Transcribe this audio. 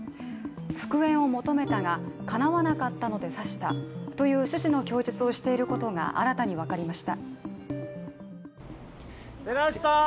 復縁を求めたがかなわなかったので刺したという趣旨の供述をしていることが新たに分かりました。